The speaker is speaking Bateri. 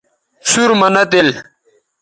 سُور مہ نہ تِل